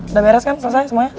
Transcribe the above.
udah beres kan selesai semuanya